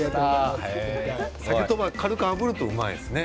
さけとば、軽くあぶるとうまいですね。